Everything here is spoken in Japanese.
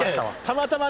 たまたま！？